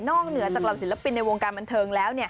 เหนือจากเหล่าศิลปินในวงการบันเทิงแล้ว